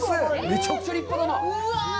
めちゃくちゃ立派だな。